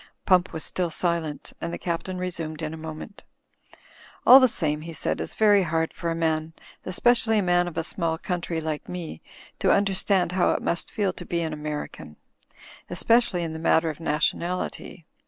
Pump was still silent, and the Captain resumed in a moment. "All the same," he said, "it's very hard for a man, especially a man of a small country like me, to under stand how it must feel to be an American; especially in the matter of nationality.